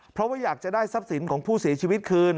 เพราะว่าอยากจะได้ทรัพย์สินของผู้เสียชีวิตคืน